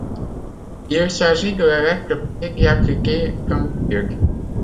Il s'agit de la lettre P diacritée d'un tilde.